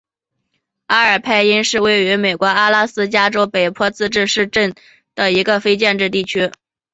阿尔派因是位于美国阿拉斯加州北坡自治市镇的一个非建制地区。